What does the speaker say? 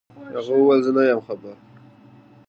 هغې وويل زه نه يم خبر.